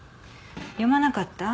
読まなかった？